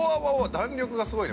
弾力がすごいね。